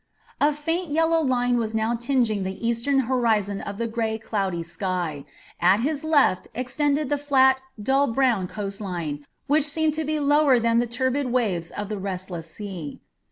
A faint yellow line was now tingeing the eastern horizon of the gray, cloudy sky. At his left extended the flat, dull brown coast line, which seemed to be lower than the turbid waves of the restless sea.